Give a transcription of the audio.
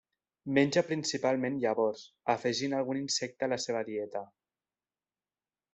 Menja principalment llavors, afegint algun insecte a la seva dieta.